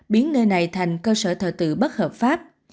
biến nơi này thành cơ sở thờ tự bất hợp pháp